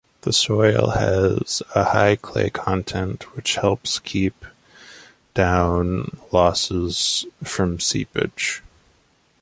The soil has a high clay content which keeps down losses from seepage.